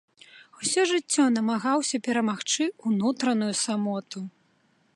Усё жыццё намагаўся перамагчы ўнутраную самоту.